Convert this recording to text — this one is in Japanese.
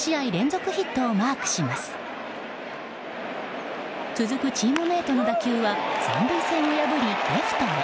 続くチームメートの打球は３塁線を破り、レフトへ。